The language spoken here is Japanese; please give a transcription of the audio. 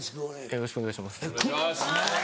よろしくお願いします。